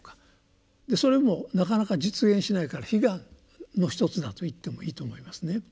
それもなかなか実現しないから「悲願」の一つだと言ってもいいと思いますね。